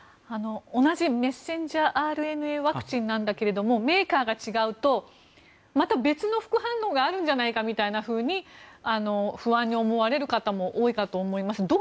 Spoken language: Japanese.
同じメッセンジャーＲＮＡワクチンなんだけどもメーカーが違うとまた別の副反応があるんじゃないかみたいなふうに不安に思われる方も多いかと思います。